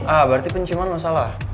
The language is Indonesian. ah berarti penciuman lo salah